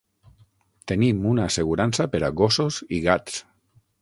Tenim una assegurança per a gossos i gats.